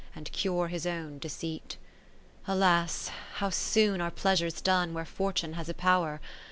And cure his own deceit. II Alas ! how soon are Pleasures done Where Fortune has a power